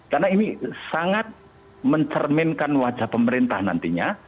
karena ini sangat mencerminkan wajah pemerintah nantinya